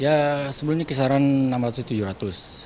ya sebelumnya kisaran enam ratus tujuh ratus